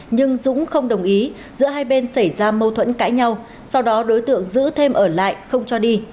nhưng dũng không đồng ý giữa hai bên xảy ra mâu thuẫn cãi nhau sau đó đối tượng giữ thêm ở lại không cho đi